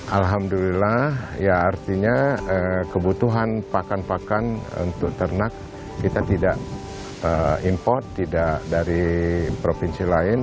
alhamdulillah ya artinya kebutuhan pakan pakan untuk ternak kita tidak import tidak dari provinsi lain